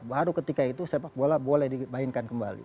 baru ketika itu sepak bola boleh dimainkan kembali